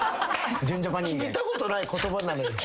聞いたことない言葉なのよ。